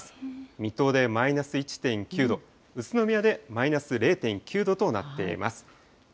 水戸でマイナス１．９度、宇都宮でマイナス０．９度となっています。